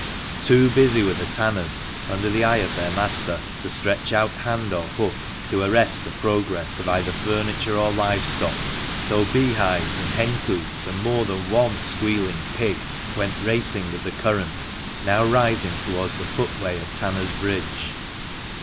Too busy were the tanners, under the eye of their master, to stretch out hand or hook to arrest the progress of either furniture or live stock, though bee hives and hen coops, and more than one squealing pig, went racing with the current, now rising towards the footway of Tanners' Bridge.